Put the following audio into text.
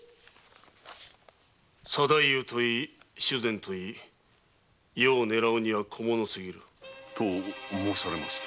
左太夫といい主膳といい余を狙うには小者すぎる。と申されますと？